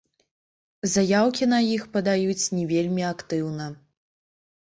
Заяўкі на іх падаюць не вельмі актыўна.